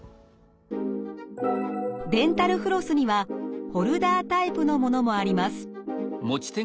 デンタルフロスにはホルダータイプのものもあります。